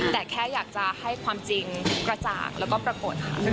แต่แค่อยากจะให้ความจริงกระจ่างแล้วก็ปรากฏค่ะ